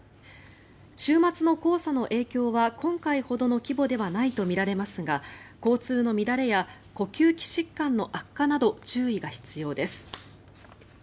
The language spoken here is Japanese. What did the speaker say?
週末の黄砂の影響は今回ほどの規模ではないとみられますが交通の乱れや呼吸器疾患の悪化など注意が必要です。